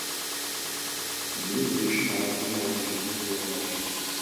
Кийин бул иштин аягы эмне болгону белгисиз бойдон калды.